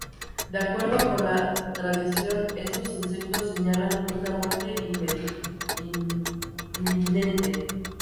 De acuerdo con la tradición, estos insectos señalan una muerte inminente.